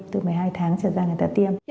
từ một mươi hai tháng trở ra người ta tiêm